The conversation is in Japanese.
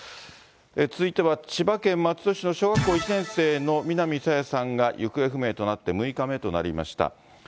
続いては千葉県松戸市の小学校１年生の南朝芽さんが行方不明となって６日目となりました。